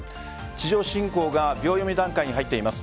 地上侵攻が秒読み段階に入っています。